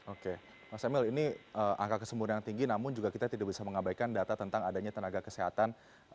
oke mas emil ini angka kesembuhan yang tinggi namun juga kita tidak bisa mengabaikan data tentang adanya tenaga kesehatan